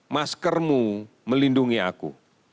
maskermu melindungi aku